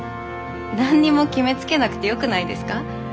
何も決めつけなくてよくないですか？